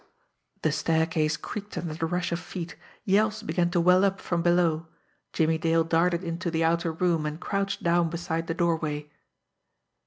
The staircase creaked under the rush of feet; yells began to well up from below. Jimmie Dale darted into the outer room, and crouched down beside the doorway.